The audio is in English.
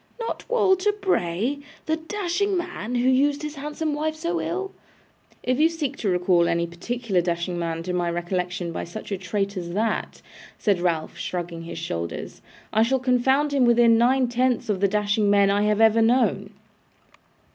'Not Walter Bray! The dashing man, who used his handsome wife so ill?' 'If you seek to recall any particular dashing man to my recollection by such a trait as that,' said Ralph, shrugging his shoulders, 'I shall confound him with nine tenths of the dashing men I have ever known.